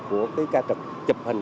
của các trực chụp hình